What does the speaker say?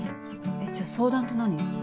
えっじゃあ相談って何？